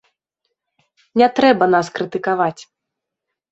Не трэба нас крытыкаваць.